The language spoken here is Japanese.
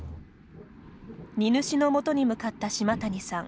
荷主の元に向かった島谷さん。